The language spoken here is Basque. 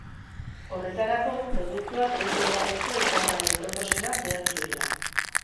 Horretarako, produktuak bete beharreko ezaugarri aproposena zehaztu dira.